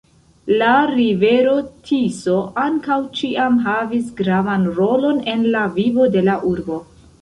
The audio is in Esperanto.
La rivero Tiso ankaŭ ĉiam havis gravan rolon en la vivo de la urbo.